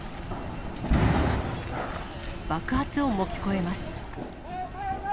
爆発音も聞こえます。